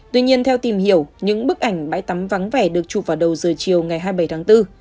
tuy nhiên theo tìm hiểu những bức ảnh bãi tắm vắng vẻ được chụp vào đầu giờ chiều ngày hai mươi bảy tháng bốn